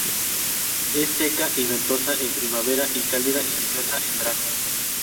Es seca y ventosa en primavera y cálida y lluviosa en verano.